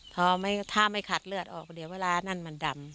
พอถ้าไม่ขัดเลือดออกเดี๋ยวเวลานั่นมันดำ